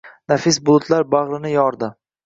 Nafis bulutlar bag’rini yoritdi